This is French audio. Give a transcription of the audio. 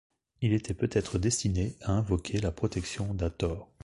Il était peut-être destiné à invoquer la protection d'Hathor.